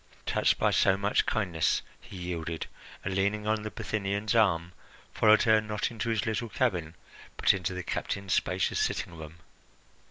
Touched by so much kindness, he yielded and, leaning on the Bithynian's arm, followed her, not into his little cabin, but into the captain's spacious sitting room.